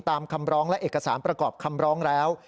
คำร้องและเอกสารประกอบคำร้องแล้ว